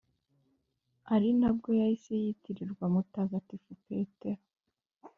ari nabwo yahise yitirirwa mutagatifu petero